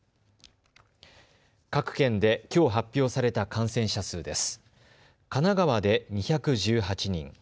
各県できょう発表された感染者数です。